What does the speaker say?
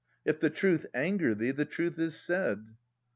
If the truth anger thee, the truth is said.